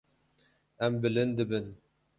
Em bilind dibin.